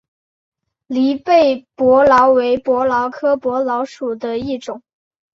栗背伯劳为伯劳科伯劳属的一种。